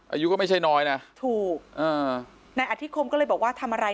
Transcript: อายุก็ไม่ใช่น้อยนะถูกอ่านายอธิคมก็เลยบอกว่าทำอะไร